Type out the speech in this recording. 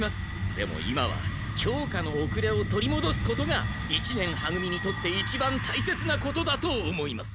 でも今は教科のおくれを取りもどすことが一年は組にとっていちばんたいせつなことだと思います。